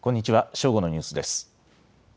正午のニュースです。